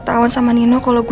sayang kayaknya udah gak usah deh